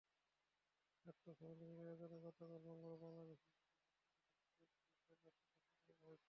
নাট্য সমিতি মিলনায়তনে গতকাল মঙ্গলবার বাংলাদেশ যুব মৈত্রী দিনাজপুর জেলা শাখার সম্মেলন হয়েছে।